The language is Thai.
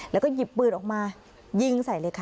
แล้วก็หยิบปืนออกมายิงใส่เลยค่ะ